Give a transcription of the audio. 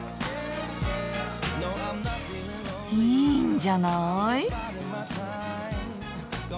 いいんじゃない！